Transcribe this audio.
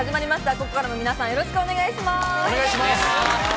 ここからも皆さん、よろしくお願いします。